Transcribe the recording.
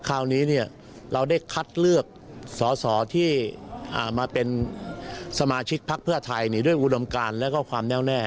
คราวนี้เราได้คัดเลือกสอสอที่มาเป็นสมาชิกพักเพื่อไทยด้วยอุดมการแล้วก็ความแน่วแน่